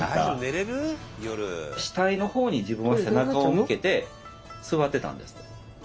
死体の方に自分は背中を向けて座ってたんですって。